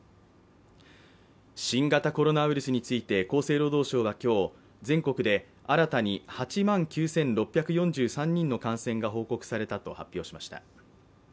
新型コロナウイルスについて厚生労働省は今日、全国で新たに８万９６４３人の感染が報告されたと発表しました。